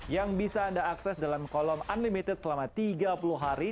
yang bisa anda akses dalam kolom unlimited selama tiga puluh hari